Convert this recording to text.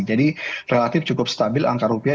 jadi relatif cukup stabil angka angka